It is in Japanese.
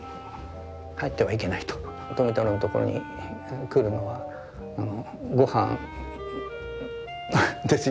富太郎のところに来るのは「ごはんですよ」って。